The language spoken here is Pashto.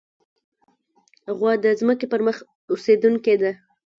غوا د ځمکې پر مخ اوسېدونکې ده.